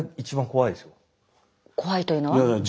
怖いというのは？